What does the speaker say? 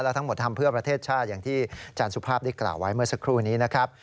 ทั้งหมดทำเพื่อประเทศชาติอย่างที่อาจารย์สุภาพได้กล่าวไว้เมื่อสักครู่นี้นะครับ